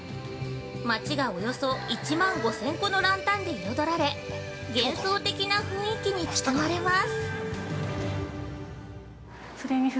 町がおよそ１万５０００個のランタンで彩られ幻想的な雰囲気に包まれます。